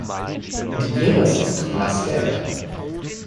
Die Iris ist blass gelb.